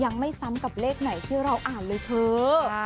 ยังไม่ซ้ำกับเลขไหนที่เราอ่านเลยเถอะ